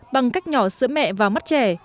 bằng cách nhỏ sữa mẹ vào mắt trẻ